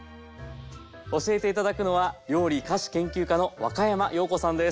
教えて頂くのは料理・菓子研究家の若山曜子さんです。